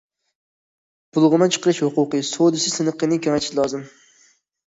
بۇلغىما چىقىرىش ھوقۇقى سودىسى سىنىقىنى كېڭەيتىش لازىم.